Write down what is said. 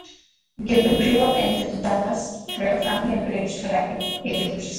Gilpin grew up in Dallas, where her family encouraged her acting abilities.